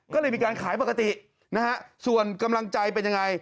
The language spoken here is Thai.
ก็เลยมีการขายปกตินะฮะส่วนกำลังใจเป็นยังไง